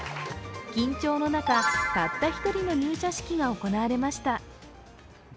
緊張の中、たった１人の入社式が行われました。